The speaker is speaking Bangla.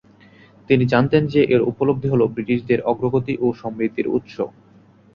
তিনি জানতেন যে এর উপলব্ধি হল ব্রিটিশদের অগ্রগতি ও সমৃদ্ধির উৎস।